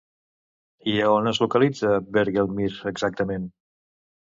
I a on es localitza Hvergelmir exactament?